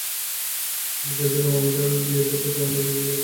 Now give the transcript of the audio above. আমি চাইছিলাম, আমাদের বিয়ের প্রতিশ্রুতি আমরা নিজেরাই লিখব।